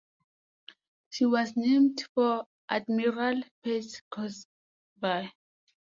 She was named for Admiral Peirce Crosby.